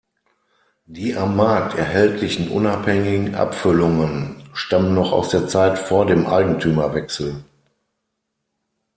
Die am Markt erhältlichen unabhängigen Abfüllungen stammen noch aus der Zeit vor dem Eigentümerwechsel.